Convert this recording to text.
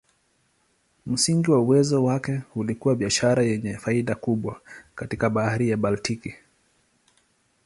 Msingi wa uwezo wake ulikuwa biashara yenye faida kubwa katika Bahari ya Baltiki.